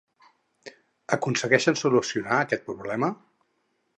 Aconsegueixen solucionar aquest problema?